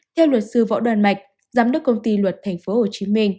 theo luật sư võ đoàn mạnh giám đốc công ty luật tp hcm